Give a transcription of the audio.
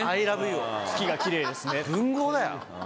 文豪だよ。